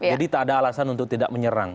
jadi tak ada alasan untuk tidak menyerang